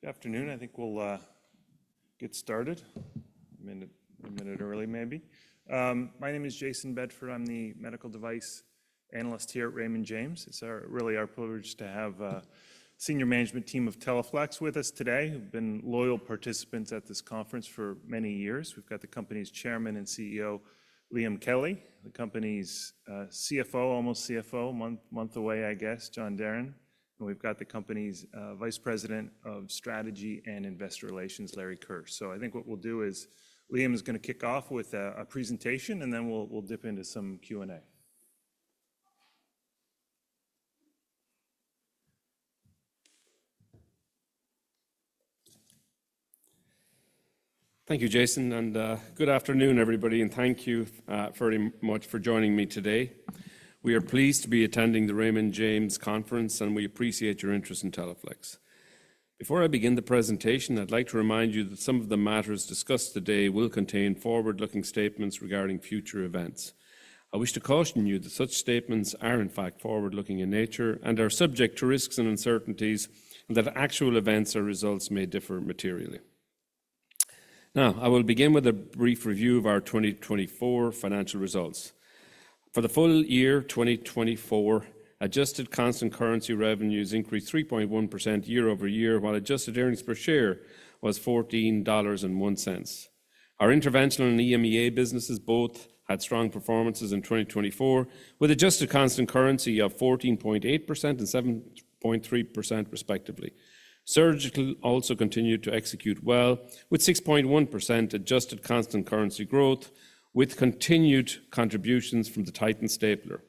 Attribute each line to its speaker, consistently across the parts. Speaker 1: Good afternoon. I think we'll get started a minute early, maybe. My name is Jason Bedford. I'm the medical device analyst here at Raymond James. It's really our privilege to have the senior management team of Teleflex with us today. We've been loyal participants at this conference for many years. We've got the company's Chairman and CEO, Liam Kelly, the company's CFO, almost CFO, a month away, I guess, John Deren. And we've got the company's Vice President of strategy and investor relations, Larry Keusch. So I think what we'll do is Liam is going to kick off with a presentation, and then we'll dip into some Q&A.
Speaker 2: Thank you, Jason. And good afternoon, everybody. And thank you very much for joining me today. We are pleased to be attending the Raymond James Conference, and we appreciate your interest in Teleflex. Before I begin the presentation, I'd like to remind you that some of the matters discussed today will contain forward-looking statements regarding future events. I wish to caution you that such statements are, in fact, forward-looking in nature and are subject to risks and uncertainties, and that actual events or results may differ materially. Now, I will begin with a brief review of our 2024 financial results. For the full year, 2024, adjusted constant currency revenues increased 3.1% year over year, while adjusted earnings per share was $14.01. Our interventional and EMEA businesses both had strong performances in 2024, with adjusted constant currency of 14.8% and 7.3%, respectively. Surgical also continued to execute well, with 6.1% adjusted constant currency growth, with continued contributions from the Titan stapler.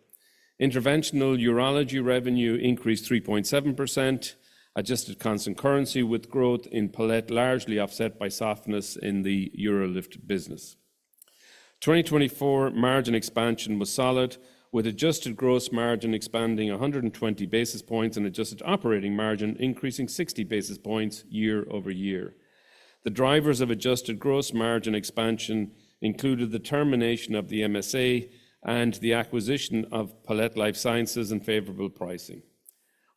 Speaker 2: Interventional urology revenue increased 3.7%, adjusted constant currency with growth in Palette largely offset by softness in the UroLift business. 2024 margin expansion was solid, with adjusted gross margin expanding 120 basis points and adjusted operating margin increasing 60 basis points year over year. The drivers of adjusted gross margin expansion included the termination of the MSA and the acquisition of Palette Life Sciences and favorable pricing,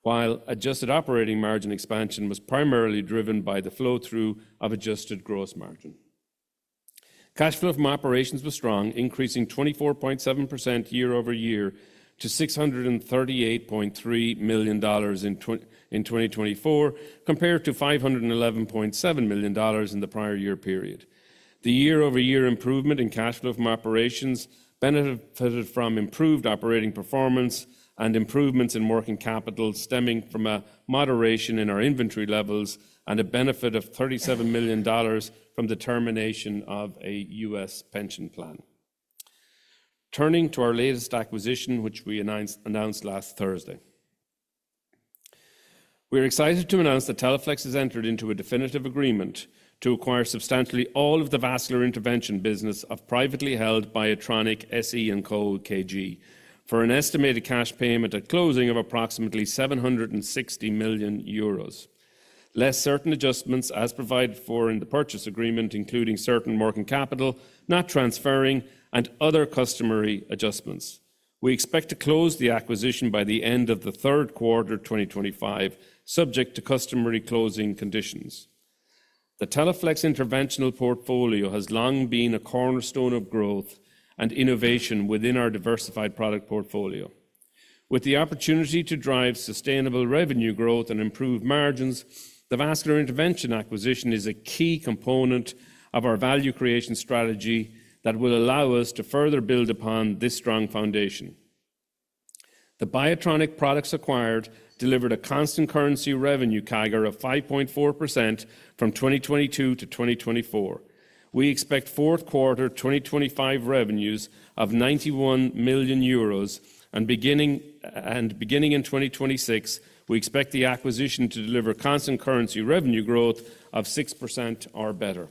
Speaker 2: while adjusted operating margin expansion was primarily driven by the flow-through of adjusted gross margin. Cash flow from operations was strong, increasing 24.7% year over year to $638.3 million in 2024, compared to $511.7 million in the prior year period. The year-over-year improvement in cash flow from operations benefited from improved operating performance and improvements in working capital stemming from a moderation in our inventory levels and a benefit of $37 million from the termination of a U.S. pension plan. Turning to our latest acquisition, which we announced last Thursday, we are excited to announce that Teleflex has entered into a definitive agreement to acquire substantially all of the vascular intervention business of privately held Biotronik SE & Co. KG for an estimated cash payment at closing of approximately €760 million, less certain adjustments, as provided for in the purchase agreement, including certain working capital, net transferring, and other customary adjustments. We expect to close the acquisition by the end of the third quarter of 2025, subject to customary closing conditions. The Teleflex interventional portfolio has long been a cornerstone of growth and innovation within our diversified product portfolio. With the opportunity to drive sustainable revenue growth and improve margins, the vascular intervention acquisition is a key component of our value creation strategy that will allow us to further build upon this strong foundation. The Biotronik products acquired delivered a constant currency revenue CAGR of 5.4% from 2022 to 2024. We expect fourth quarter 2025 revenues of 91 million euros, and beginning in 2026, we expect the acquisition to deliver constant currency revenue growth of 6% or better.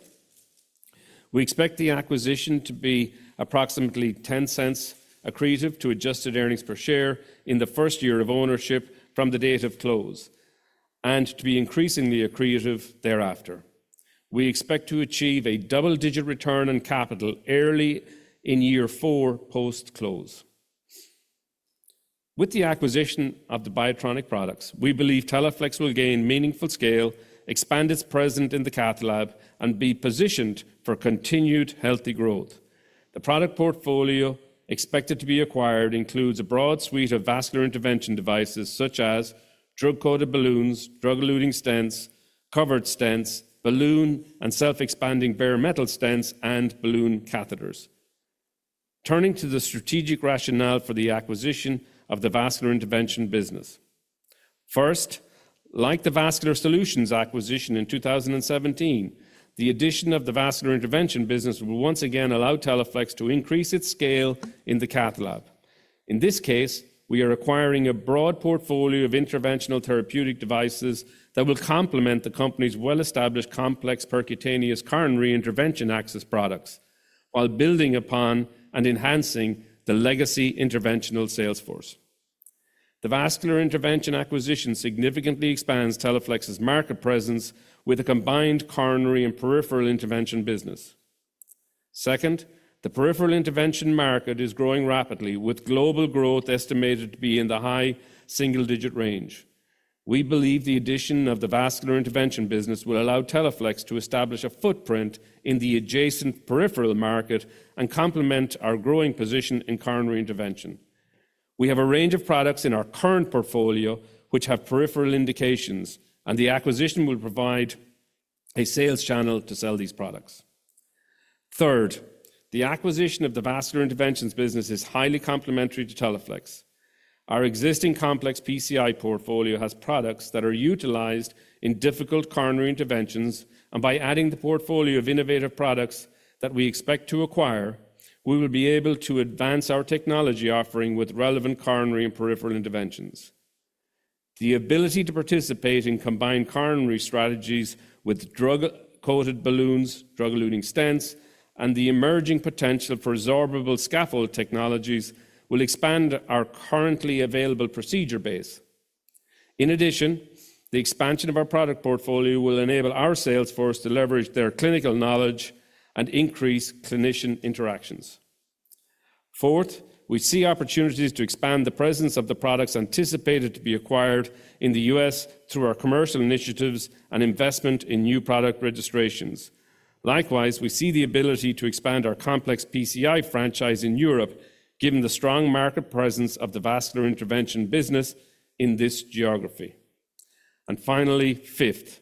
Speaker 2: We expect the acquisition to be approximately $0.10 accretive to adjusted earnings per share in the first year of ownership from the date of close and to be increasingly accretive thereafter. We expect to achieve a double-digit return on capital early in year four post-close. With the acquisition of the Biotronik products, we believe Teleflex will gain meaningful scale, expand its presence in the catalog, and be positioned for continued healthy growth. The product portfolio expected to be acquired includes a broad suite of vascular intervention devices, such as drug-coated balloons, drug-eluting stents, covered stents, balloon and self-expanding bare-metal stents, and balloon catheters. Turning to the strategic rationale for the acquisition of the vascular intervention business, first, like the vascular solutions acquisition in 2017, the addition of the vascular intervention business will once again allow Teleflex to increase its scale in the catalog. In this case, we are acquiring a broad portfolio of interventional therapeutic devices that will complement the company's well-established complex percutaneous coronary intervention access products, while building upon and enhancing the legacy interventional sales force. The vascular intervention acquisition significantly expands Teleflex's market presence with a combined coronary and peripheral intervention business. Second, the peripheral intervention market is growing rapidly, with global growth estimated to be in the high single-digit range. We believe the addition of the vascular intervention business will allow Teleflex to establish a footprint in the adjacent peripheral market and complement our growing position in coronary intervention. We have a range of products in our current portfolio which have peripheral indications, and the acquisition will provide a sales channel to sell these products. Third, the acquisition of the vascular interventions business is highly complementary to Teleflex. Our existing complex PCI portfolio has products that are utilized in difficult coronary interventions, and by adding the portfolio of innovative products that we expect to acquire, we will be able to advance our technology offering with relevant coronary and peripheral interventions. The ability to participate in combined coronary strategies with drug-coated balloons, drug-eluting stents, and the emerging potential for absorbable scaffold technologies will expand our currently available procedure base. In addition, the expansion of our product portfolio will enable our sales force to leverage their clinical knowledge and increase clinician interactions. Fourth, we see opportunities to expand the presence of the products anticipated to be acquired in the U.S. through our commercial initiatives and investment in new product registrations. Likewise, we see the ability to expand our complex PCI franchise in Europe, given the strong market presence of the vascular intervention business in this geography. And finally, fifth,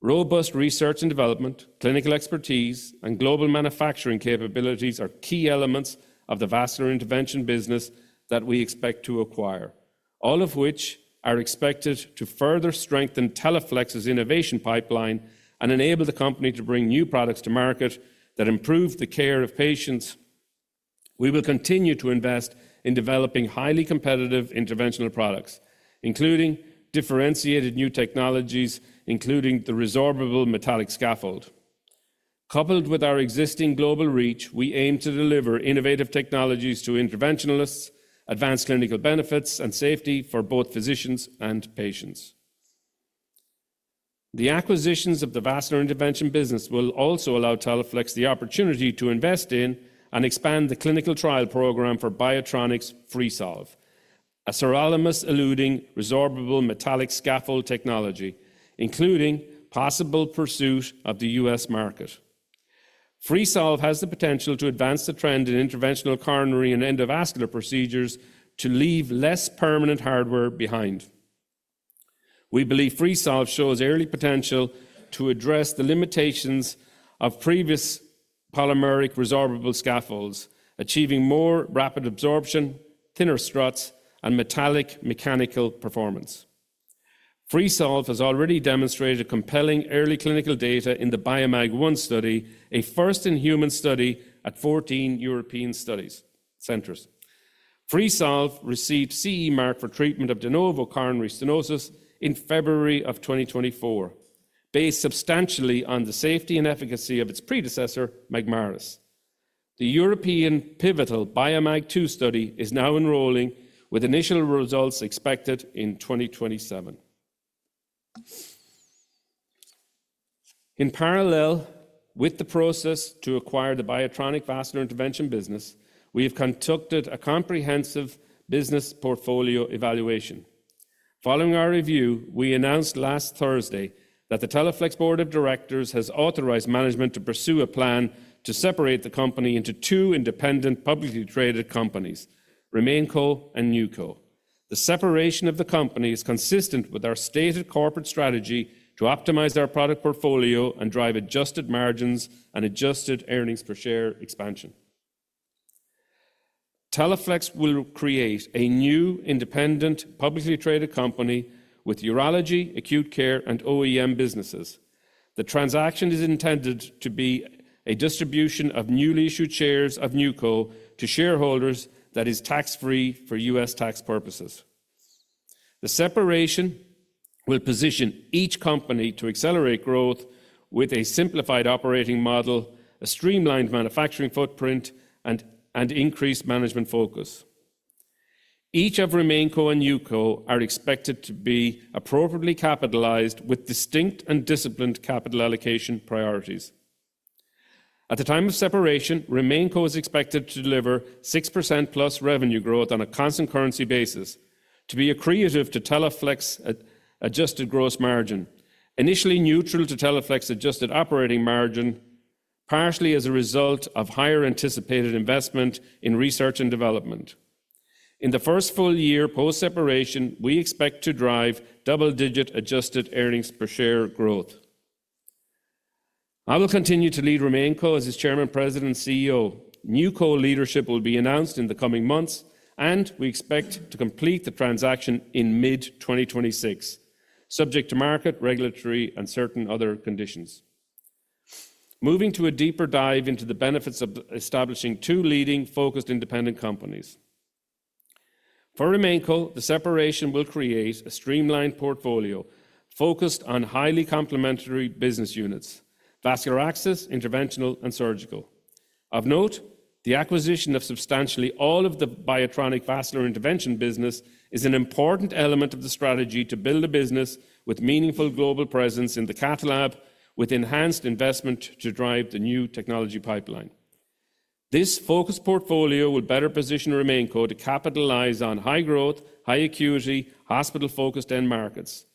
Speaker 2: robust research and development, clinical expertise, and global manufacturing capabilities are key elements of the vascular intervention business that we expect to acquire, all of which are expected to further strengthen Teleflex's innovation pipeline and enable the company to bring new products to market that improve the care of patients. We will continue to invest in developing highly competitive interventional products, including differentiated new technologies, including the resorbable metallic scaffold. Coupled with our existing global reach, we aim to deliver innovative technologies to interventionalists, advanced clinical benefits, and safety for both physicians and patients. The acquisition of the vascular intervention business will also allow Teleflex the opportunity to invest in and expand the clinical trial program for Biotronik's Freesolve, a sirolimus-eluting resorbable metallic scaffold technology, including possible pursuit of the U.S. market. Freesolve has the potential to advance the trend in interventional coronary and endovascular procedures to leave less permanent hardware behind. We believe Freesolve shows early potential to address the limitations of previous polymeric resorbable scaffolds, achieving more rapid absorption, thinner struts, and metallic mechanical performance. Freesolve has already demonstrated compelling early clinical data in the BIOMAG I study, a first-in-human study at 14 European centers. Freesolve received CE mark for treatment of de novo coronary stenosis in February of 2024, based substantially on the safety and efficacy of its predecessor, Magmaris. The European pivotal BIOMAG II study is now enrolling, with initial results expected in 2027. In parallel with the process to acquire the Biotronik vascular intervention business, we have conducted a comprehensive business portfolio evaluation. Following our review, we announced last Thursday that the Teleflex board of directors has authorized management to pursue a plan to separate the company into two independent publicly traded companies, Remainco and Newco. The separation of the company is consistent with our stated corporate strategy to optimize our product portfolio and drive adjusted margins and adjusted earnings per share expansion. Teleflex will create a new independent publicly traded company with urology, acute care, and OEM businesses. The transaction is intended to be a distribution of newly issued shares of Newco to shareholders that is tax-free for U.S. tax purposes. The separation will position each company to accelerate growth with a simplified operating model, a streamlined manufacturing footprint, and increased management focus. Each of Remainco and Newco are expected to be appropriately capitalized with distinct and disciplined capital allocation priorities. At the time of separation, Remainco is expected to deliver 6% plus revenue growth on a constant currency basis to be accretive to Teleflex's adjusted gross margin, initially neutral to Teleflex's adjusted operating margin, partially as a result of higher anticipated investment in research and development. In the first full year post-separation, we expect to drive double-digit adjusted earnings per share growth. I will continue to lead Remainco. As its chairman, president, and CEO, Newco leadership will be announced in the coming months, and we expect to complete the transaction in mid-2026, subject to market, regulatory, and certain other conditions. Moving to a deeper dive into the benefits of establishing two leading focused independent companies. For Remainco, the separation will create a streamlined portfolio focused on highly complementary business units: vascular access, interventional, and surgical. Of note, the acquisition of substantially all of the Biotronik vascular intervention business is an important element of the strategy to build a business with meaningful global presence in the cath lab, with enhanced investment to drive the new technology pipeline. This focused portfolio will better position Remainco. To capitalize on high growth, high acuity, hospital-focused end markets,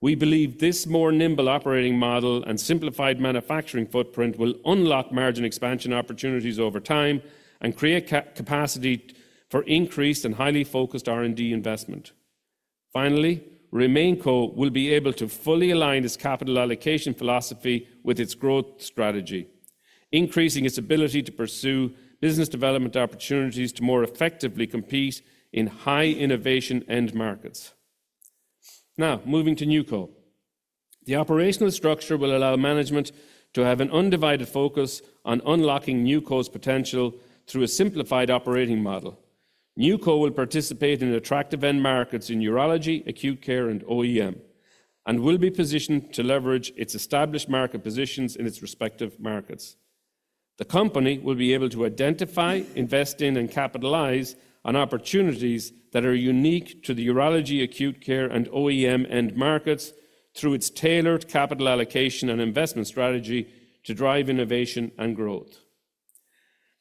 Speaker 2: we believe this more nimble operating model and simplified manufacturing footprint will unlock margin expansion opportunities over time and create capacity for increased and highly focused R&D investment. Finally, Remainco will be able to fully align its capital allocation philosophy with its growth strategy, increasing its ability to pursue business development opportunities to more effectively compete in high innovation end markets. Now, moving to Newco, the operational structure will allow management to have an undivided focus on unlocking Newco's potential through a simplified operating model. Newco will participate in attractive end markets in urology, acute care, and OEM, and will be positioned to leverage its established market positions in its respective markets. The company will be able to identify, invest in, and capitalize on opportunities that are unique to the urology, acute care, and OEM end markets through its tailored capital allocation and investment strategy to drive innovation and growth.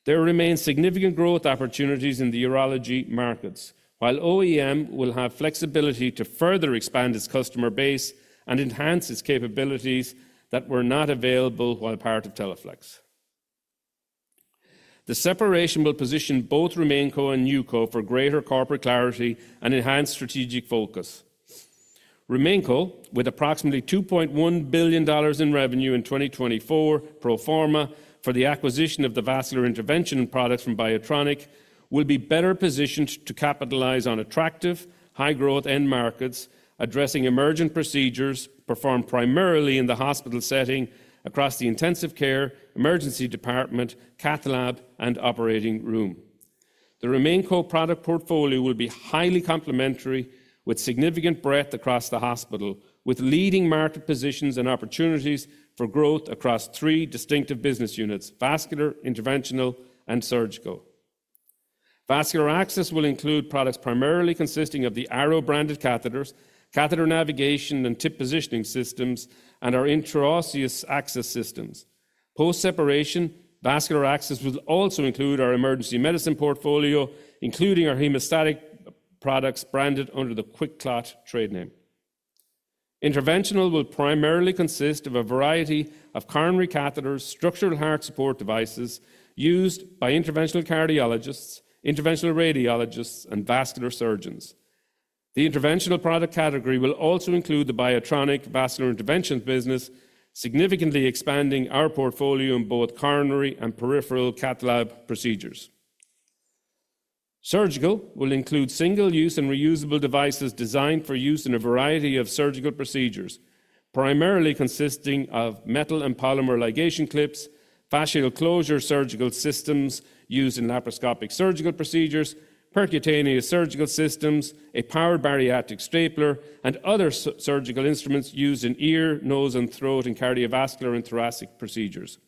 Speaker 2: There remain significant growth opportunities in the urology markets, while OEM will have flexibility to further expand its customer base and enhance its capabilities that were not available while part of Teleflex. The separation will position both Remainco and Newco for greater corporate clarity and enhanced strategic focus. Remainco, with approximately $2.1 billion in revenue in 2024 pro forma for the acquisition of the vascular intervention products from Biotronik, will be better positioned to capitalize on attractive high growth end markets, addressing emergent procedures performed primarily in the hospital setting across the intensive care, emergency department, cath lab, and operating room. The Remainco. Product portfolio will be highly complementary with significant breadth across the hospital, with leading market positions and opportunities for growth across three distinctive business units: vascular, interventional, and surgical. Vascular access will include products primarily consisting of the Arrow branded catheters, catheter navigation and tip positioning systems, and our intraosseous access systems. Post-separation, vascular access will also include our emergency medicine portfolio, including our hemostatic products branded under the QuikClot trade name. Interventional will primarily consist of a variety of coronary catheters, structural heart support devices used by interventional cardiologists, interventional radiologists, and vascular surgeons. The interventional product category will also include the Biotronik vascular intervention business, significantly expanding our portfolio in both coronary and peripheral catalog procedures. Surgical will include single-use and reusable devices designed for use in a variety of surgical procedures, primarily consisting of metal and polymer ligation clips, fascial closure surgical systems used in laparoscopic surgical procedures, percutaneous surgical systems, a powered bariatric stapler, and other surgical instruments used in ear, nose, and throat in cardiovascular and thoracic procedures.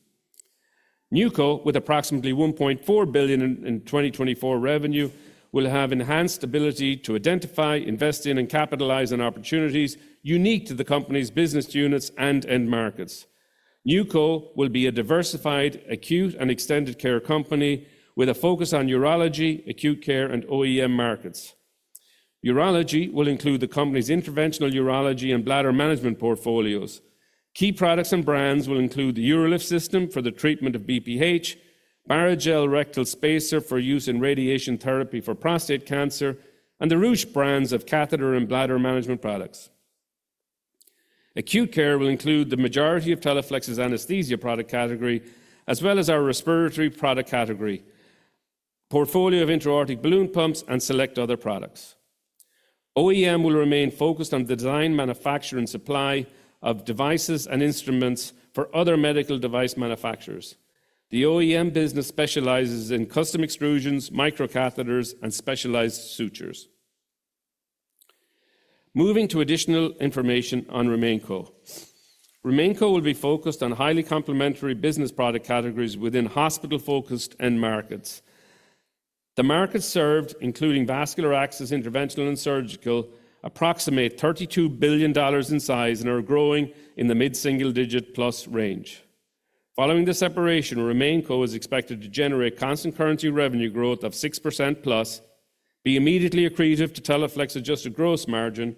Speaker 2: Newco, with approximately $1.4 billion in 2024 revenue, will have enhanced ability to identify, invest in, and capitalize on opportunities unique to the company's business units and end markets. Newco will be a diversified acute and extended care company with a focus on urology, acute care, and OEM markets. Urology will include the company's interventional urology and bladder management portfolios. Key products and brands will include the UroLift system for the treatment of BPH, Barrigel rectal spacer for use in radiation therapy for prostate cancer, and the Rüsch brands of catheter and bladder management products. Acute care will include the majority of Teleflex's anesthesia product category, as well as our respiratory product category, portfolio of intra-aortic balloon pumps, and select other products. OEM will remain focused on the design, manufacture, and supply of devices and instruments for other medical device manufacturers. The OEM business specializes in custom extrusions, micro catheters, and specialized sutures. Moving to additional information on Remainco. Remainco will be focused on highly complementary business product categories within hospital-focused end markets. The markets served, including vascular access, interventional, and surgical, approximate $32 billion in size and are growing in the mid-single digit plus range. Following the separation, Remainco. Is expected to generate constant currency revenue growth of 6% plus, be immediately accretive to Teleflex's adjusted gross margin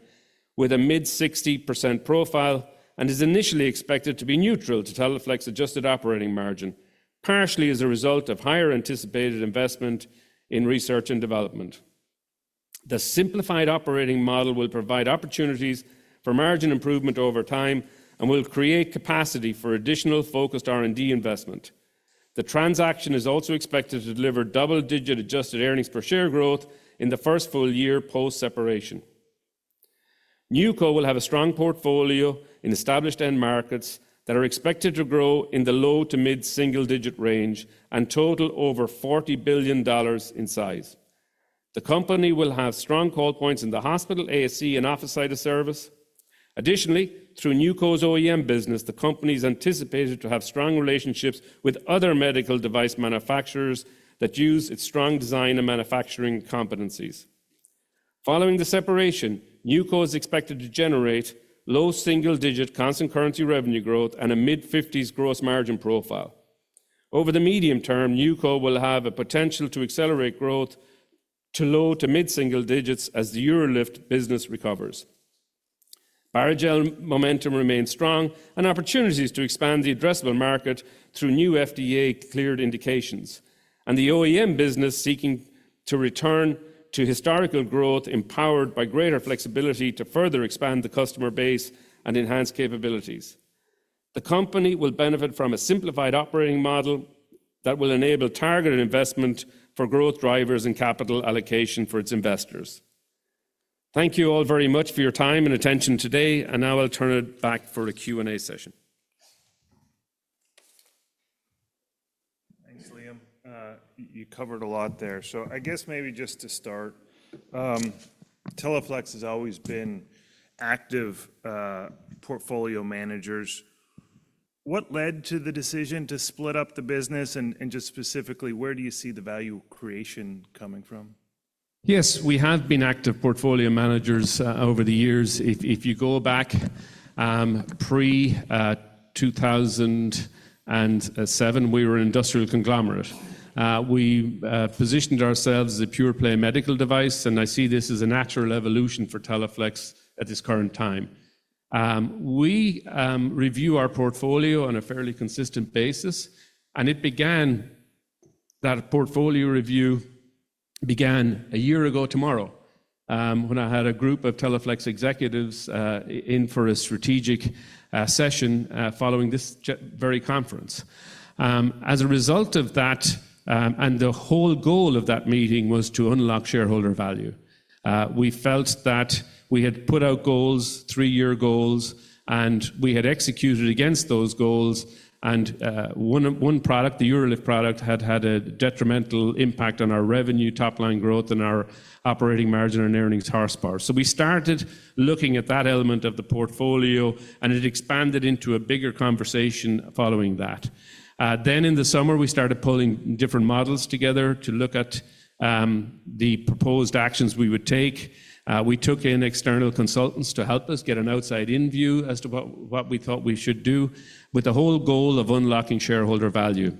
Speaker 2: with a mid-60% profile, and is initially expected to be neutral to Teleflex's adjusted operating margin, partially as a result of higher anticipated investment in research and development. The simplified operating model will provide opportunities for margin improvement over time and will create capacity for additional focused R&D investment. The transaction is also expected to deliver double-digit adjusted earnings per share growth in the first full year post-separation. Newco will have a strong portfolio in established end markets that are expected to grow in the low to mid-single digit range and total over $40 billion in size. The company will have strong call points in the hospital ASC and office site of service. Additionally, through Newco's OEM business, the company is anticipated to have strong relationships with other medical device manufacturers that use its strong design and manufacturing competencies. Following the separation, Newco is expected to generate low single-digit constant currency revenue growth and a mid-50s gross margin profile. Over the medium term, Newco will have a potential to accelerate growth to low to mid-single digits as the UroLift business recovers. Barrigel momentum remains strong and opportunities to expand the addressable market through new FDA cleared indications and the OEM business seeking to return to historical growth empowered by greater flexibility to further expand the customer base and enhance capabilities. The company will benefit from a simplified operating model that will enable targeted investment for growth drivers and capital allocation for its investors. Thank you all very much for your time and attention today, and now I'll turn it back for a Q&A session.
Speaker 1: Thanks, Liam. You covered a lot there. So I guess maybe just to start, Teleflex has always been active portfolio managers. What led to the decision to split up the business? And just specifically, where do you see the value creation coming from?
Speaker 2: Yes, we have been active portfolio managers over the years. If you go back pre-2007, we were an industrial conglomerate. We positioned ourselves as a pure play medical device, and I see this as a natural evolution for Teleflex at this current time. We review our portfolio on a fairly consistent basis, and that portfolio review began a year ago tomorrow when I had a group of Teleflex executives in for a strategic session following this very conference. As a result of that, and the whole goal of that meeting was to unlock shareholder value. We felt that we had put out goals, three-year goals, and we had executed against those goals, and one product, the UroLift product, had had a detrimental impact on our revenue, top line growth, and our operating margin and earnings horsepower. So we started looking at that element of the portfolio, and it expanded into a bigger conversation following that, then in the summer, we started pulling different models together to look at the proposed actions we would take. We took in external consultants to help us get an outside in view as to what we thought we should do with the whole goal of unlocking shareholder value.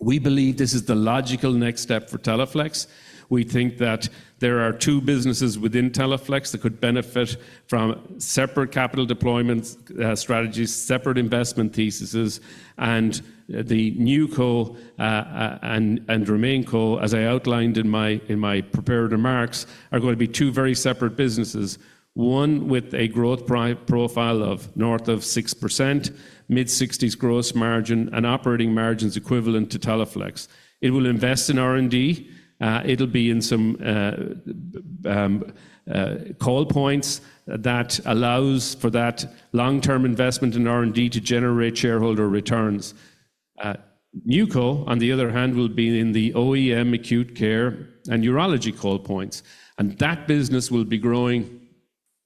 Speaker 2: We believe this is the logical next step for Teleflex. We think that there are two businesses within Teleflex that could benefit from separate capital deployment strategies, separate investment theses, and the Newco and Remainco, as I outlined in my prepared remarks, are going to be two very separate businesses, one with a growth profile of north of 6%, mid-60s gross margin, and operating margins equivalent to Teleflex. It will invest in R&D. It'll be in some call points that allows for that long-term investment in R&D to generate shareholder returns. Newco, on the other hand, will be in the OEM, acute care, and urology call points, and that business will be growing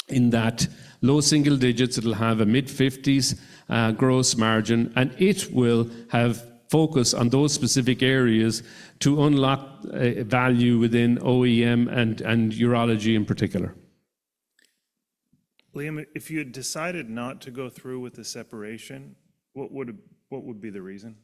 Speaker 2: in that low single digits. It'll have a mid-50s gross margin, and it will have focus on those specific areas to unlock value within OEM and urology in particular. Liam, if you had decided not to go through with the separation, what would be the reason?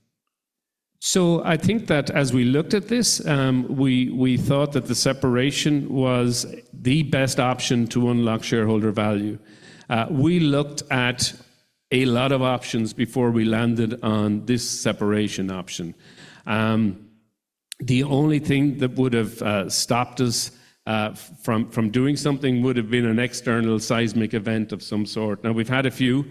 Speaker 2: So I think that as we looked at this, we thought that the separation was the best option to unlock shareholder value. We looked at a lot of options before we landed on this separation option. The only thing that would have stopped us from doing something would have been an external seismic event of some sort. Now, we've had a few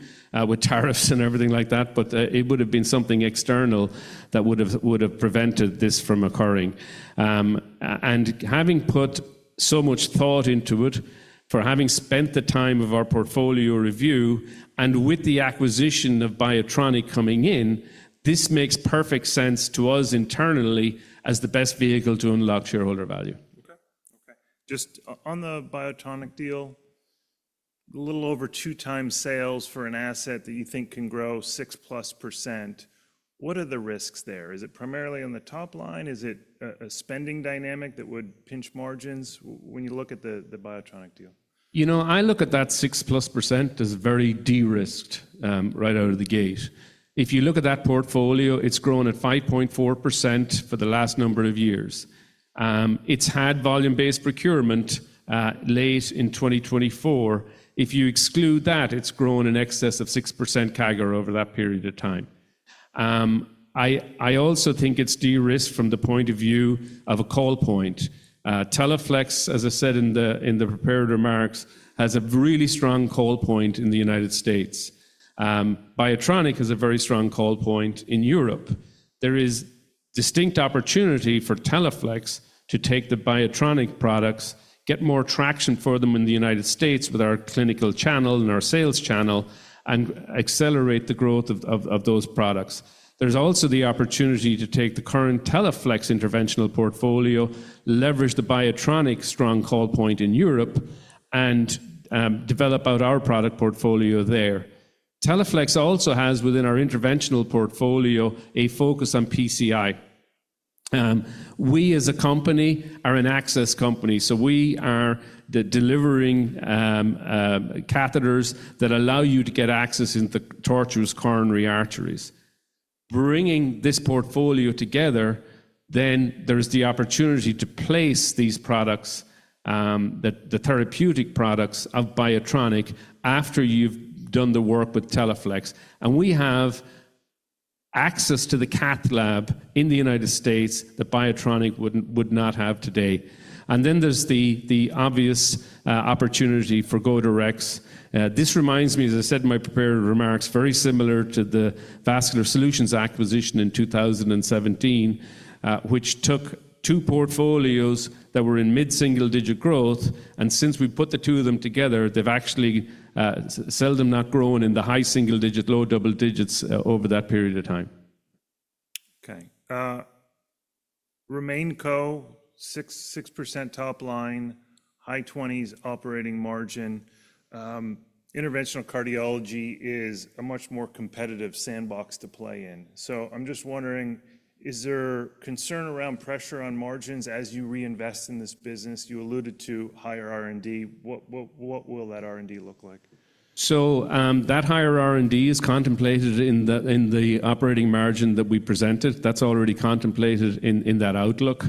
Speaker 2: with tariffs and everything like that, but it would have been something external that would have prevented this from occurring. And having put so much thought into it, for having spent the time of our portfolio review and with the acquisition of Biotronik coming in, this makes perfect sense to us internally as the best vehicle to unlock shareholder value.
Speaker 1: Okay. Just on the Biotronik deal, a little over two times sales for an asset that you think can grow 6% plus. What are the risks there? Is it primarily on the top line? Is it a spending dynamic that would pinch margins when you look at the Biotronik deal?
Speaker 2: You know, I look at that 6% plus as very de-risked right out of the gate. If you look at that portfolio, it's grown at 5.4% for the last number of years. It's had volume-based procurement late in 2024. If you exclude that, it's grown in excess of 6% CAGR over that period of time. I also think it's de-risked from the point of view of a call point. Teleflex, as I said in the prepared remarks, has a really strong call point in the United States. Biotronik has a very strong call point in Europe. There is distinct opportunity for Teleflex to take the Biotronik products, get more traction for them in the United States with our clinical channel and our sales channel, and accelerate the growth of those products. There's also the opportunity to take the current Teleflex interventional portfolio, leverage the Biotronik strong call point in Europe, and develop out our product portfolio there. Teleflex also has, within our interventional portfolio, a focus on PCI. We, as a company, are an access company, so we are delivering catheters that allow you to get access into tortuous coronary arteries. Bringing this portfolio together, then there is the opportunity to place these products, the therapeutic products of Biotronik, after you've done the work with Teleflex, and we have access to the cath lab in the United States that Biotronik would not have today, and then there's the obvious opportunity for Go Directs. This reminds me, as I said in my prepared remarks, very similar to the vascular solutions acquisition in 2017, which took two portfolios that were in mid-single-digit growth. And since we put the two of them together, they've actually seldom not grown in the high-single-digit, low-double-digit over that period of time.
Speaker 1: Okay. Remainco, 6% top line, high-20s% operating margin. Interventional cardiology is a much more competitive sandbox to play in. So I'm just wondering, is there concern around pressure on margins as you reinvest in this business? You alluded to higher R&D. What will that R&D look like?
Speaker 2: So that higher R&D is contemplated in the operating margin that we presented. That's already contemplated in that outlook.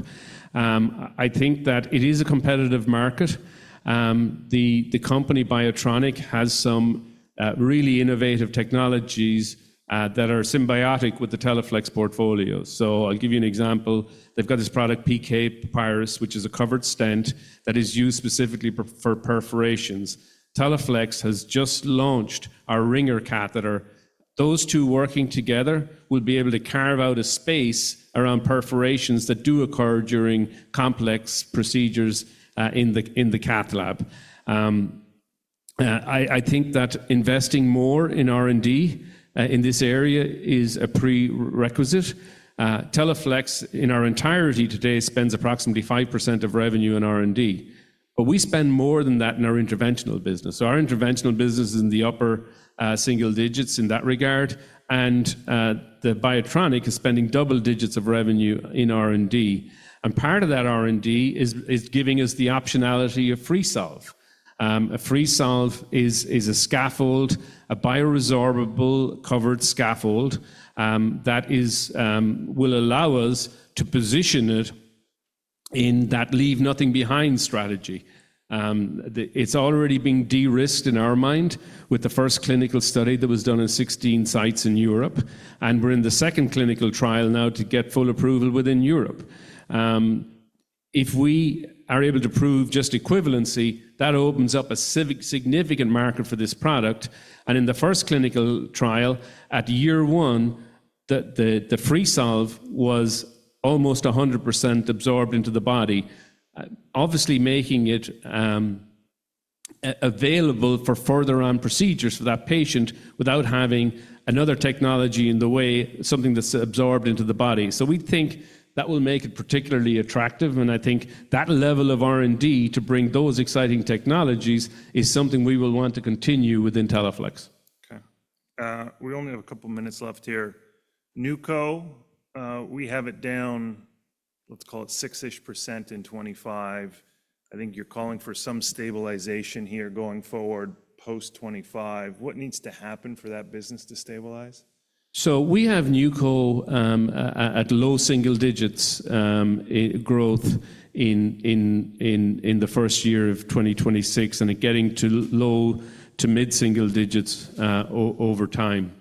Speaker 2: I think that it is a competitive market. The company Biotronik has some really innovative technologies that are symbiotic with the Teleflex portfolio. I'll give you an example. They've got this product, PK Papyrus, which is a covered stent that is used specifically for perforations. Teleflex has just launched our Ringer catheter. Those two working together will be able to carve out a space around perforations that do occur during complex procedures in the cath lab. I think that investing more in R&D in this area is a prerequisite. Teleflex, in our entirety today, spends approximately 5% of revenue in R&D, but we spend more than that in our interventional business. Our interventional business is in the upper single digits in that regard. The Biotronik is spending double digits of revenue in R&D. Part of that R&D is giving us the optionality of Freesolve. A Freesolve is a scaffold, a bioresorbable covered scaffold that will allow us to position it in that leave nothing behind strategy. It's already being de-risked in our mind with the first clinical study that was done in 16 sites in Europe. And we're in the second clinical trial now to get full approval within Europe. If we are able to prove just equivalency, that opens up a significant market for this product. And in the first clinical trial, at year one, the Freesolve was almost 100% absorbed into the body, obviously making it available for further on procedures for that patient without having another technology in the way, something that's absorbed into the body. So we think that will make it particularly attractive. And I think that level of R&D to bring those exciting technologies is something we will want to continue within Teleflex.
Speaker 1: Okay. We only have a couple of minutes left here. Newco, we have it down, let's call it 6% in 2025. I think you're calling for some stabilization here going forward post 2025. What needs to happen for that business to stabilize?
Speaker 2: So we have Newco at low single digits growth in the first year of 2026 and getting to low to mid-single digits over time.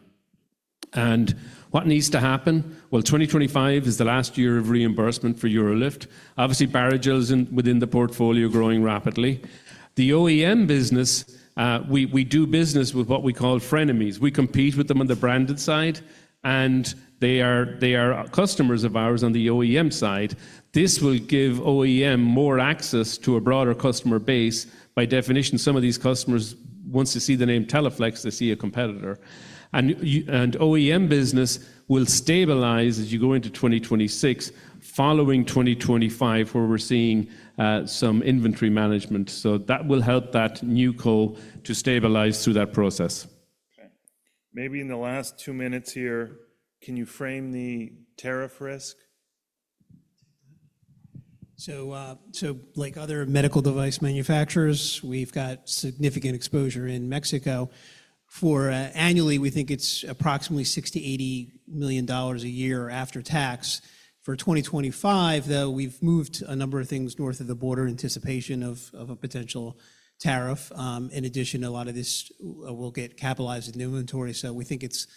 Speaker 2: And what needs to happen? Well, 2025 is the last year of reimbursement for UroLift. Obviously, Barrigel is within the portfolio growing rapidly. The OEM business, we do business with what we call frenemies. We compete with them on the branded side, and they are customers of ours on the OEM side. This will give OEM more access to a broader customer base. By definition, some of these customers, once they see the name Teleflex, they see a competitor. And OEM business will stabilize as you go into 2026, following 2025, where we're seeing some inventory management. So that will help that Newco to stabilize through that process.
Speaker 1: Okay. Maybe in the last two minutes here, can you frame the tariff risk?
Speaker 3: So like other medical device manufacturers, we've got significant exposure in Mexico. Annually, we think it's approximately $60-$80 million a year after tax. For 2025, though, we've moved a number of things north of the border in anticipation of a potential tariff. In addition, a lot of this will get capitalized in inventory. So we think it's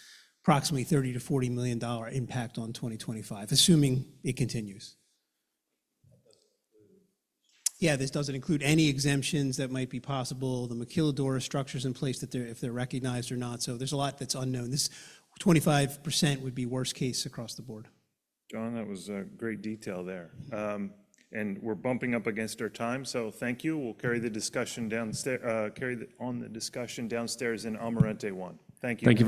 Speaker 3: approximately $30-$40 million impact on 2025, assuming it continues. Yeah, this doesn't include any exemptions that might be possible. The maquiladora structure is in place if they're recognized or not. So there's a lot that's unknown. This 25% would be worst case across the board.
Speaker 1: John, that was great detail there, and we're bumping up against our time. So thank you. We'll carry the discussion downstairs in Amarante One. Thank you.
Speaker 2: Thank you.